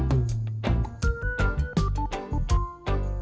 perlahankan air p statements